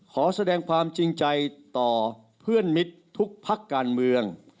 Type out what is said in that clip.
ขอแสดงความจริงใจต่อเพื่อนมิตรทุกพักการเมือง